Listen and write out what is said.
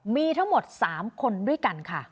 มีทั้งหมด๓คนด้วยกันค่ะ